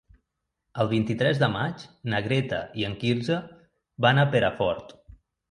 El vint-i-tres de maig na Greta i en Quirze van a Perafort.